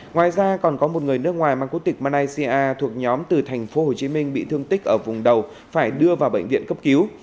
ngoài ra còn có một người nước ngoài mang quốc tịch malaysia thuộc nhóm từ thành phố hồ chí minh bị thương tích ở vùng đầu phải đưa vào bệnh viện cấp cứu